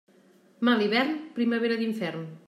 Mal hivern, primavera d'infern.